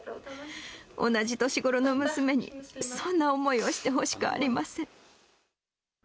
同じ年ごろの娘に、そんな思いをしてほしくありません。